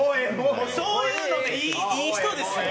そういうのでいい人ですよ。